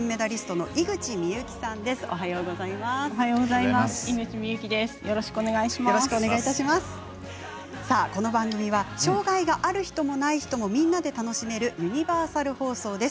そして、この番組は障がいがある人もない人もみんなで楽しめるユニバーサル放送です。